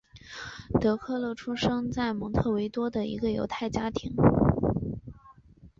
德克勒出生在蒙特维多的一个犹太家庭。